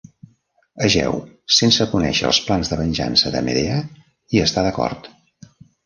Egeu, sense conèixer els plans de venjança de Medea, hi està d'acord.